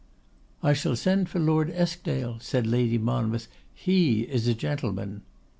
'I shall send for Lord Eskdale,' said Lady Monmouth. 'He is a gentleman.